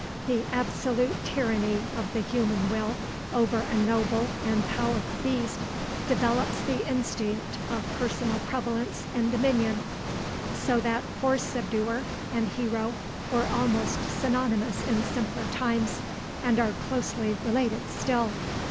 The absolute tyranny of the human will over a noble and powerful beast develops the instinct of personal prevalence and dominion; so that horse subduer and hero were almost synonymous in simpler times, and are closely related still.